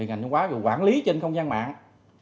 ngành vũ trường quản lý trên không gian mạng